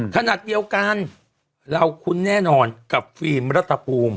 ขนาดเดียวกันเราคุ้นแน่นอนกับฟิล์มรัฐภูมิ